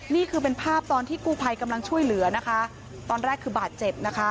นี่คือเป็นภาพตอนที่กู้ภัยกำลังช่วยเหลือนะคะตอนแรกคือบาดเจ็บนะคะ